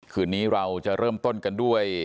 คืนนี้เราจะเริ่มต้นกันด้วย